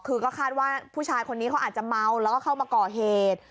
คือก็คาดว่าผู้ชายคนนี้เขาอาจจะเมาแล้วก็เข้ามาก่อเหตุ